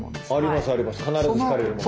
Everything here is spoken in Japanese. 必ず引かれるもの。